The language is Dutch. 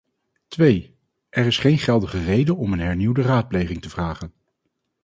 Twee, er is geen geldige reden om een hernieuwde raadpleging te vragen.